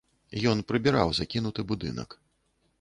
Ён прыбіраў закінуты будынак.